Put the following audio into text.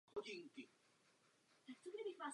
Byl stoupencem zásadní reformy volebního systému.